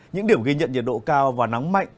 những điểm ghi nhận nhiệt độ cao và nắng mạnh